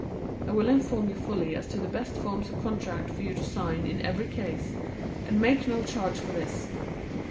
I will inform you fully as to the best forms of contract for you to sign in every case, and make no charge for this.